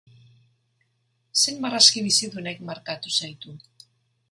Zein marrazki bizidunek markatu zaitu?